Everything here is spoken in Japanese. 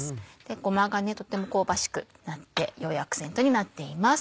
ごまがとっても香ばしくなって良いアクセントになっています。